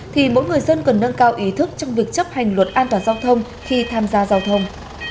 thì mỗi người dân cần nâng cao ý thức trong việc chấp hành luật an toàn giao thông khi tham gia giao thông